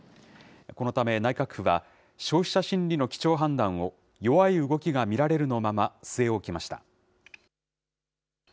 このため内閣府は、消費者心理の基調判断を、弱い動きが見られるのまま据え置きました。